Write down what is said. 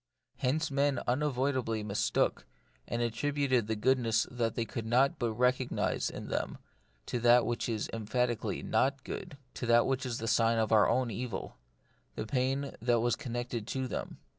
Hence men unavoidably mistook, and attributed the goodness they could not but recognise in them to that which is em phatically not good — to that which is the sign of our own evil — the pain that was connected with them.